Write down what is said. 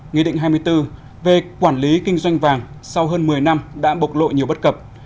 nghị định hai mươi bốn về quản lý kinh doanh vàng sau hơn một mươi năm đã bộc lộ nhiều bất cập